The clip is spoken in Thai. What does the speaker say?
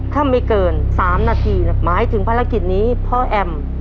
ถ้าไม่เกิน๓นาทีหมายถึงภารกิจนี้พ่อแอม